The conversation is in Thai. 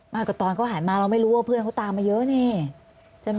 มากกว่าตอนเขาหายมาเราไม่รู้ว่าเพื่อนเขาตามมาเยอะนี่